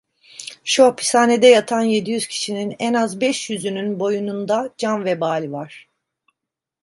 Şu hapishanede yatan yedi yüz kişinin en az beş yüzünün boynunda can vebali var.